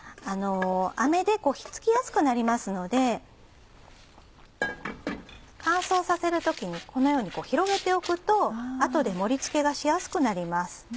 あめで引っ付きやすくなりますので乾燥させる時にこのように広げておくと後で盛り付けがしやすくなります。